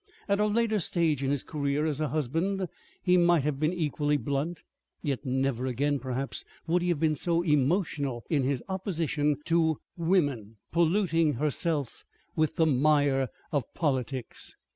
At a later stage in his career as a husband he might have been equally blunt; yet never again, perhaps, would he have been so emotional in his opposition to woman polluting herself with the mire of politics.